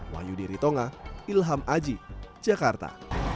wayudiri tonga ilham aji jakarta